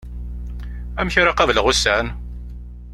Amek ara qableɣ ussan?